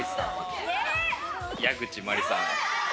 矢口真里さん。